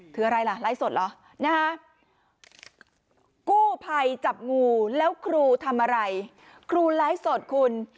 คืออะไรล่ะไลฟ์สดเหรอนะฮะกู้ภัยจับงูแล้วครูทำอะไรครูไลฟ์สดคุณ